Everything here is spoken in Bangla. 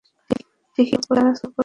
টিকিট ছাড়া সফর হবে না।